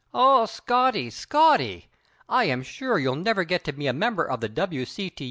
"Oh, Scotty, Scotty! I am sure you'll never get to be a member of the W. C.